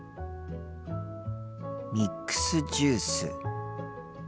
ミックスジュース。